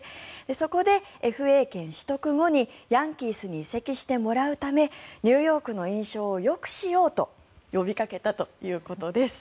そこでＦＡ権取得後にヤンキースに移籍してもらうためニューヨークの印象をよくしようと呼びかけたということです。